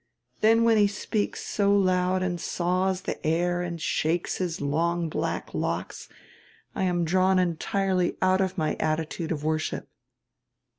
Then when he speaks so loud and saws the air and shakes his long black locks I am drawn entirely out of my attitude of worship."